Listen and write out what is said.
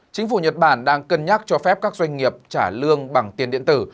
chính phủ nhật bản đang cân nhắc cho phép các doanh nghiệp trả lương bằng tiền điện tử